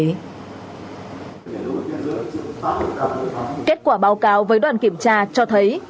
kết quả báo cáo với đoàn kiểm tra cho thấy